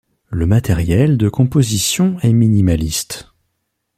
Le matériel de composition est minimaliste.